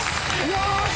よし！